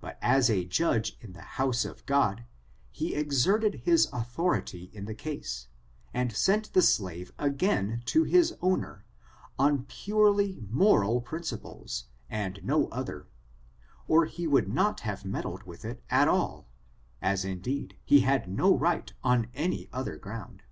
But as a judge in the house of God, he exerted his authority in the case, and sent the slave again to his owner, on pure ly moral principles, and no other, or he would not have meddled with it at all, as indeed he had no right on any other ground.